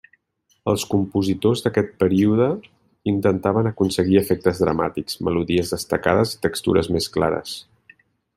Els compositors d'aquest període intentaven aconseguir efectes dramàtics, melodies destacades, i textures més clares.